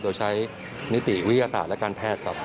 โดยใช้นิติวิทยาศาสตร์และการแพทย์ครับ